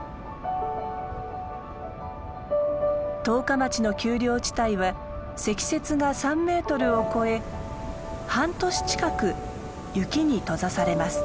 十日町の丘陵地帯は積雪が３メートルを超え半年近く雪に閉ざされます。